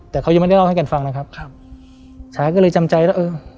แต่เขายังไม่ได้เล่าให้กันฟังนะครับครับชาก็เลยจำใจแล้วเออ